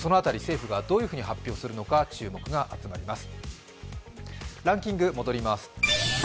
今日その辺り政府がどのように発表するのか注目が集まります。